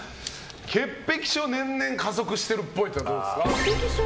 潔癖症、年々加速してるっぽいはどうですか？